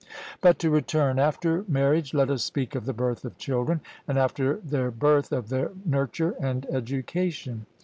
But to return: After marriage let us speak of the birth of children, and after their birth of their nurture and education.